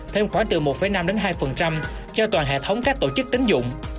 thêm khóa từ một năm đến hai cho toàn hệ thống các tổ chức tính dụng